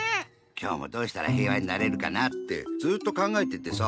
きょうもどうしたら平和になれるかなぁってずっとかんがえててさ。